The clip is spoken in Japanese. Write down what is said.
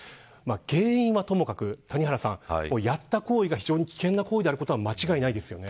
原因はともかく、谷原さんやった行為が非常に危険な行為であることは間違いないですよね。